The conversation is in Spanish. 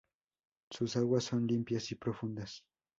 Sus aguas son limpias y profundas.